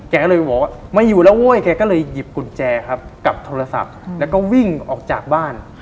แกก็เลยบอกว่าไม่อยู่แล้วเว้ยแกก็เลยหยิบกุญแจครับกับโทรศัพท์แล้วก็วิ่งออกจากบ้าน